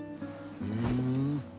ふん。